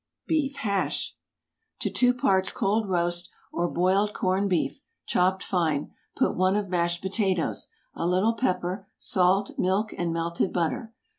BEEF HASH. To two parts cold roast or boiled corned beef, chopped fine, put one of mashed potatoes, a little pepper, salt, milk, and melted butter.